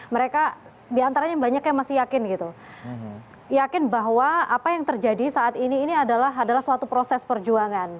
mereka diantaranya banyak yang masih yakin gitu yakin bahwa apa yang terjadi saat ini ini adalah suatu proses perjuangan